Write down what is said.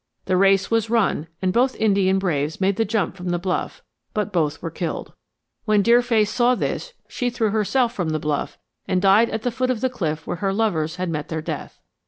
"The race was run and both Indian braves made the jump from the bluff, but both were killed. When Deerface saw this she threw herself from the bluff and died at the foot of the cliff where her lovers had met their death.